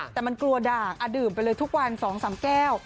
แต่มันกลัวด่างดื่มไปเลยทุกวัน๒๓แก้ว